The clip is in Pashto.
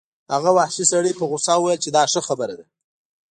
هغه وحشي سړي په غوسه وویل چې دا ښه خبره ده